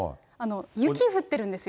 雪降ってるんですよ。